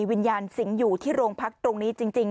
วิญญาณสิงห์อยู่ที่โรงพักตรงนี้จริง